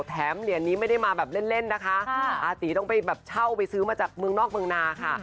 แถมเหรียญนี้ไม่ได้มาแบบเล่นนะคะอาตีต้องไปแบบเช่าไปซื้อมาจากเมืองนอกเมืองนาค่ะ